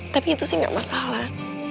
tapi itu sih gak masalah